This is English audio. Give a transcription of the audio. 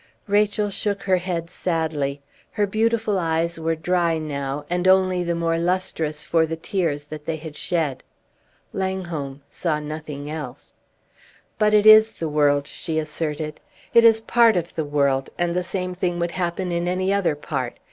Rachel shook her head sadly; her beautiful eyes were dry now, and only the more lustrous for the tears that they had shed. Langholm saw nothing else. "But it is the world," she asserted. "It is part of the world, and the same thing would happen in any other part.